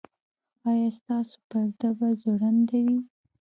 ایا ستاسو پرده به ځوړنده وي؟